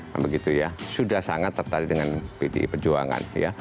nah begitu ya sudah sangat tertarik dengan pdi perjuangan